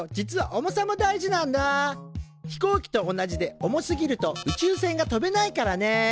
飛行機と同じで重すぎると宇宙船が飛べないからね。